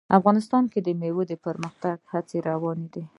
افغانستان کې د مېوې د پرمختګ هڅې روانې دي.